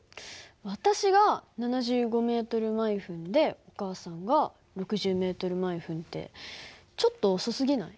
私が７５ｍ／ｍでお母さんが６０ｍ／ｍってちょっと遅すぎない？